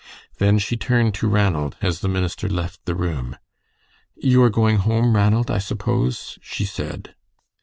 Then she turned to Ranald as the minister left the room. "You are going home, Ranald, I suppose," she said.